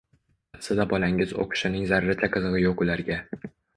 Aslida bolangiz o‘qishining zarracha qizig‘i yo‘q ularga.